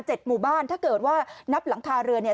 หมู่บ้านถ้าเกิดว่านับหลังคาเรือเนี่ย